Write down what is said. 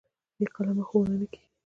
بې قلمه ښوونه نه کېږي.